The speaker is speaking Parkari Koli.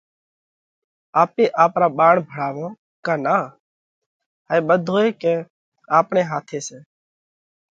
آپي آپرا ٻاۯ ڀڻاوونه ڪا نان، هائي ٻڌوئي ڪئين آپڻي هاٿي سئہ۔